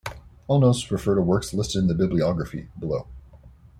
All notes refer to works listed in the Bibliography, below.